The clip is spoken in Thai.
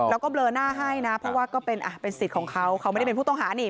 แล้วก็เบลอหน้าให้นะเพราะว่าก็เป็นสิทธิ์ของเขาเขาไม่ได้เป็นผู้ต้องหานี่